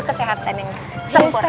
kesehatan yang sempurna